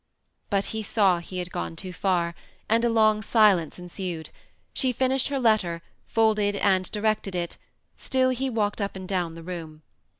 But he saw he had gone too far, and a. long silence ensued; she finished her letter, folded and directed it ; still he walked up and down the room.